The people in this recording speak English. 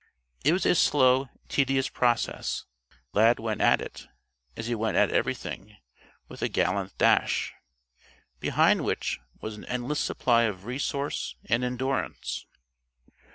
It was a slow, tedious process. Lad went at it, as he went at everything with a gallant dash, behind which was an endless supply of resource and endurance.